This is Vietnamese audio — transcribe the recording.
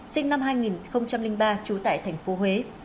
sinh năm hai nghìn ba trú tại thành phố huế